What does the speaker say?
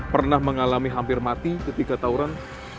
pernah mengalami hampir mati ketika tawuran